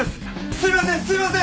すいませんすいません！